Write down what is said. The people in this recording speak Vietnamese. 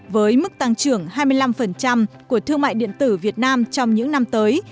với mức tăng trưởng hai mươi năm của thương mại điện tử việt nam trong những năm tới